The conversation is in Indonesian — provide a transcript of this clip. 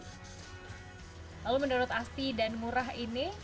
lalu menurut asti dan murah ini